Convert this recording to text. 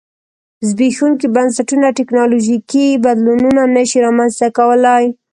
زبېښونکي بنسټونه ټکنالوژیکي بدلونونه نه شي رامنځته کولای